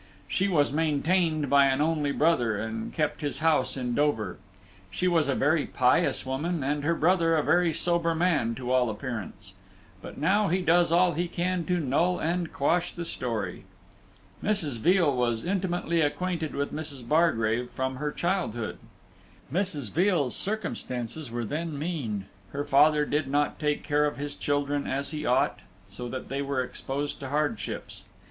She was maintained by an only brother, and kept his house in Dover. She was a very pious woman, and her brother a very sober man to all appearance; but now he does all he can to null and quash the story. Mrs. Veal was intimately acquainted with Mrs. Bargrave from her childhood. Mrs. Veal's circumstances were then mean; her father did not take care of his children as he ought, so that they were exposed to hardships.